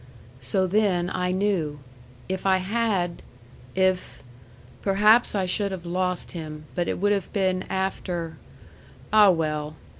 "So then I knew. If I had if perhaps I should have lost him; but it would have been after ah, well!